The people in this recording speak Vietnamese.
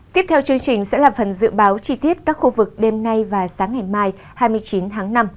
tiếp theo chương trình sẽ là phần dự báo chi tiết các khu vực đêm nay và sáng ngày mai hai mươi chín tháng năm